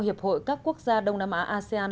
hiệp hội các quốc gia đông nam á asean